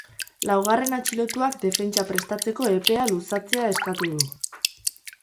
Laugarren atxilotuak defentsa prestatzeko epea luzatzea eskatu du.